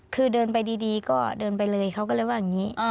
คือเดินไปดีก็เดินไปเลยเขาก็เลยว่าอย่างนี้